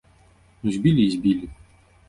Ну, збілі і збілі.